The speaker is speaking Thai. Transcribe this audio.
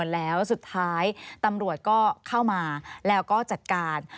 แล้วสุดท้ายตำรวจก็เข้ามาแล้วก็จัดการ